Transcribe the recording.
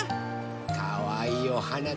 かわいいおはなだね。